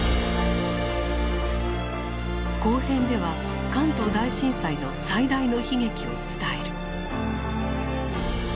後編では関東大震災の最大の悲劇を伝える。